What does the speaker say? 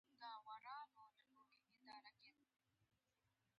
احمد تل خپل اولادونو د ښو چارو د ترسره کولو لپاره په شا ټپوي.